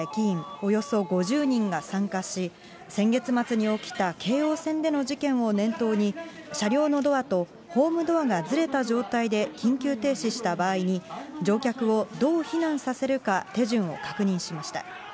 およそ５０人が参加し、先月末に起きた京王線での事件を念頭に、車両のドアとホームドアがずれた状態で緊急停止した場合に、乗客をどう避難させるか、手順を確認しました。